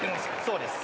そうです。